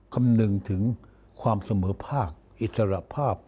คำนึงถึงความเสมอภาคอิสระภาพ